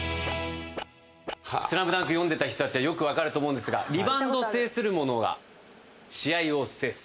『スラムダンク』読んでた人たちはよくわかると思うんですがリバウンドを制する者は試合を制す。